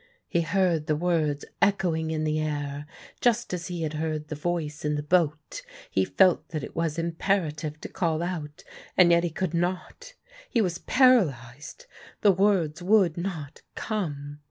He heard the words echoing in the air, just as he had heard the voice in the boat; he felt that it was imperative to call out, and yet he could not: he was paralysed; the words would not come.